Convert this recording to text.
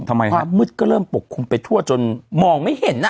ขวามืดก็เริ่มปกครุมไปทั่วจนมองไม่เห็น